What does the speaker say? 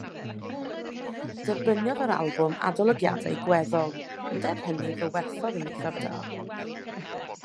Derbyniodd yr albwm adolygiadau gweddol, ond er hynny fe werthodd yn eithaf da.